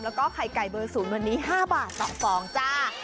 แล้วก็ไข่ไก่เบอร์๐วันนี้๕บาทต่อฟองจ้า